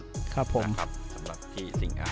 สำหรับที่สิ่งค่ะ